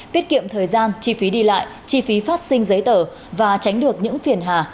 tiết kiệm thời gian chi phí đi lại chi phí phát sinh giấy tờ và tránh được những phiền hà